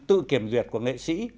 tự kiểm duyệt của nghệ sĩ